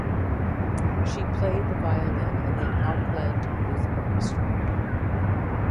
She played the violin in the Auckland Youth Orchestra.